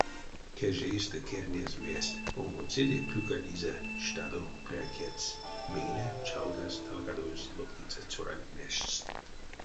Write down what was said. Кежейстэ кернезь весть, омбоцеде клюкадизе штадо прякедьс, мейле чалгась талакадозь лоткиця цёранть мештьс.